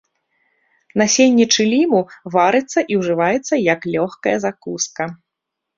Насенне чыліму варыцца і ўжываецца як лёгкая закуска.